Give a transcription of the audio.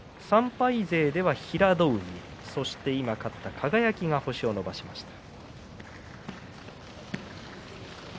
３敗勢では平戸海、そして今、勝った輝が星を伸ばしました。